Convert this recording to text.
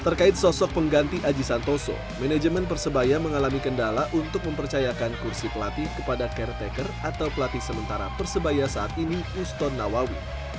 terkait sosok pengganti aji santoso manajemen persebaya mengalami kendala untuk mempercayakan kursi pelatih kepada caretaker atau pelatih sementara persebaya saat ini uston nawawi